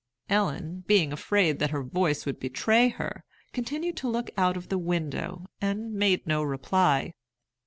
Ellen, being afraid that her voice would betray her, continued to look out of the window, and made no reply.